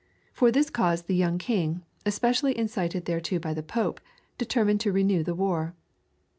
For this cause the young king, especially incited thereto by the Pope, determined to renew the war.